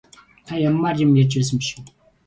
Та явмаар юм ярьж байсан биш үү?